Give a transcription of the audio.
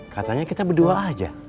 katanya kita berdua aja